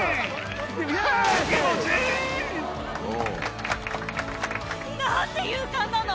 へーい、気持ちいい！なんて勇敢なの！